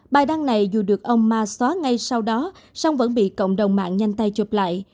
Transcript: bài đăng này dù được ông ma xóa ngay sau đó song vẫn bị cộng đồng mạng nhanh tay chụp lại